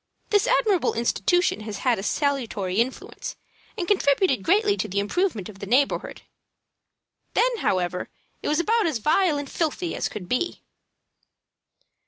This admirable institution has had a salutary influence, and contributed greatly to the improvement of the neighborhood. Then, however, it was about as vile and filthy as could well be.